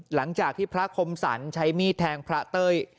หลังจากที่พระคมสรรใช้มีดแทงพระเต้ย